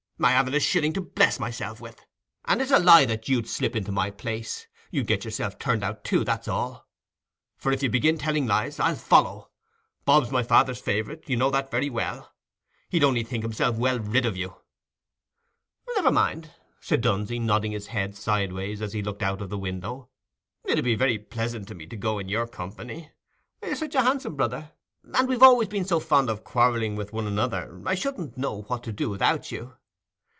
"I haven't a shilling to bless myself with. And it's a lie that you'd slip into my place: you'd get yourself turned out too, that's all. For if you begin telling tales, I'll follow. Bob's my father's favourite—you know that very well. He'd only think himself well rid of you." "Never mind," said Dunsey, nodding his head sideways as he looked out of the window. "It 'ud be very pleasant to me to go in your company—you're such a handsome brother, and we've always been so fond of quarrelling with one another, I shouldn't know what to do without you.